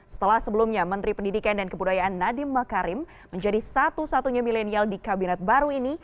setelah sebelumnya menteri pendidikan dan kebudayaan nadiem makarim menjadi satu satunya milenial di kabinet baru ini